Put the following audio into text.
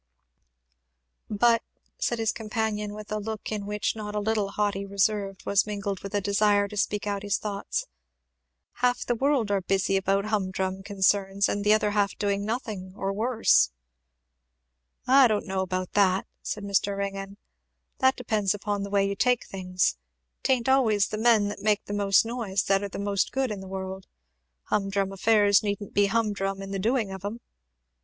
"But," said his companion, with a look in which not a little haughty reserve was mingled with a desire to speak out his thoughts, "half the world are busy about hum drum concerns and the other half doing nothing, or worse." "I don't know about that," said Mr. Ringgan; "that depends upon the way you take things. 'Tain't always the men that make the most noise that are the most good in the world. Hum drum affairs needn't be hum drum in the doing of 'em.